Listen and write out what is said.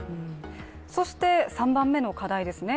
そして３番目の課題ですね。